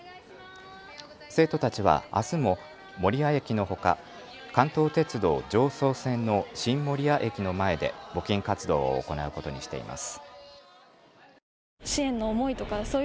生徒たちはあすも守谷駅のほか関東鉄道常総線の新守谷駅の前で募金活動を行うことにしています。